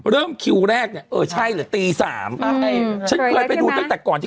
เริ่มคิวแรกโอ่ใช่เหรอตี๓